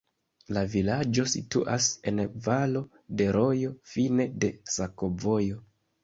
La vilaĝo situas en valo de rojo, fine de sakovojo.